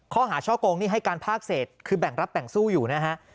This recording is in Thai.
ข้อหาช่อกงนี่ให้การภาคเศษคือแบ่งรับแบ่งสู้อยู่นะฮะ